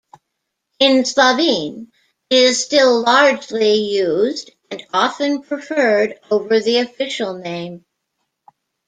In Slovene it is still largely used and often preferred over the official name.